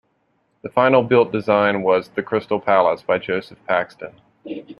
The final built design was "The Crystal Palace" by Joseph Paxton.